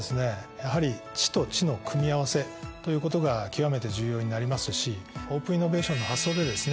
やはり「知と知の組み合わせ」ということが極めて重要になりますしオープンイノベーションの発想でですね